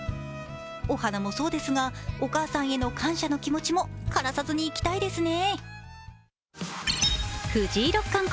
お花もそうですが、お母さんへの感謝の気持ちも枯らさずにいきたいですね。